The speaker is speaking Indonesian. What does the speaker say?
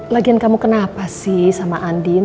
lagian kamu kenapa sih sama andin